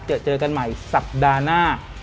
เจอเจอกันใหม่สัปดาห์หน้า